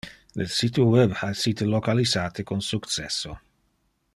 Le sito web ha essite localisate con successo.